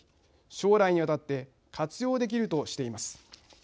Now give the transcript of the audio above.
将来にわたって活用できるとしています。